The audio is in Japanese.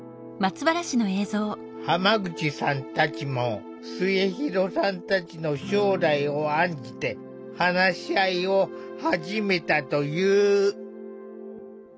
浜口さんたちも末弘さんたちの将来を案じて話し合いを始めたという。